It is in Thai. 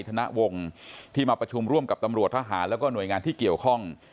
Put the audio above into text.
ธนวงที่มาประชุมร่วมกับตำรวจทหารแล้วก็หน่วยงานที่เกี่ยวข้อง